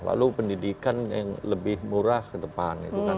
lalu pendidikan yang lebih murah ke depan